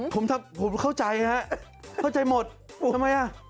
ผมเข้าใจนะเข้าใจหมดทำไมล่ะ